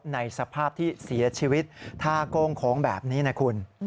ในสภาพที่เสียชีวิตท่าโก้งโค้งแบบนี้นะคุณ